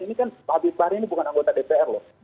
ini kan pak dudung ini bukan anggota dpr loh